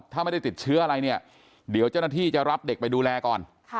ถ้าไม่ได้ติดเชื้ออะไรเนี่ยเดี๋ยวเจ้าหน้าที่จะรับเด็กไปดูแลก่อน